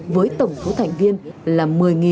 với tổng thủ thành viên là một mươi hai trăm năm mươi bảy